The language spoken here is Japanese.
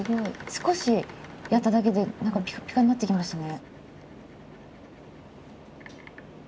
少しやっただけで何かピカピカになってきましたね。